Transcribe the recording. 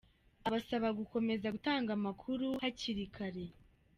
Abasaba gukomeza gutanga amakuru hakiri kare.